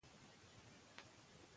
لیکوال په خپلو خبرو کې صادق دی.